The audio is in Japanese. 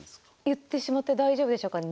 言ってしまって大丈夫でしょうか。